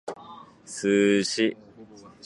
Sushi